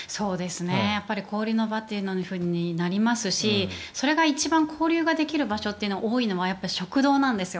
やっぱり交流の場となりますしそれが一番交流できる場所が多いのは、食堂なんですよ。